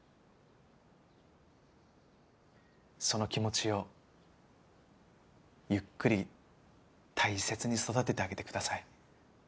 その気持ちをゆっくり大切に育ててあげてください。